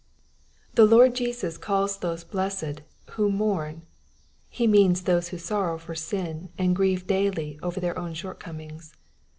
The Lord Jesus calls those blessed, who mourn. He means those who sorrow for sin, and grieve iaily over their own short comings.